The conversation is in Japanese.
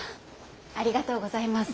ありがとうございます。